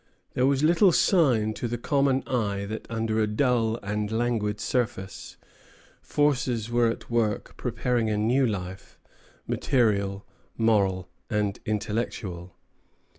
There was little sign to the common eye that under a dull and languid surface, forces were at work preparing a new life, material, moral, and intellectual.